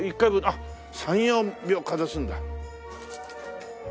あっ３４秒かざすんだ。